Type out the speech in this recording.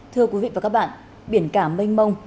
thưa quý vị và các bạn biển cả mênh mông